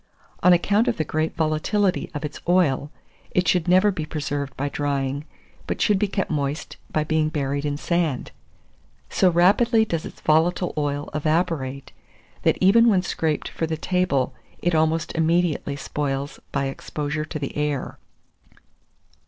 On account of the great volatility of its oil, it should never be preserved by drying, but should be kept moist by being buried in sand. So rapidly does its volatile oil evaporate, that even when scraped for the table, it almost immediately spoils by exposure to the air.